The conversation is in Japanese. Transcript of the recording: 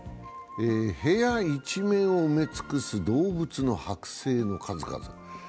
部屋一面を埋め尽くす動物の剥製の数々。